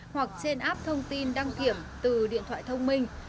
hoặc trên app thông tin đăng kiểm từ điện thoại thông minh